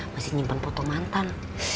masih nyimpen foto mantan